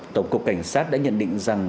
tổng cục cảnh sát đã nhận định rằng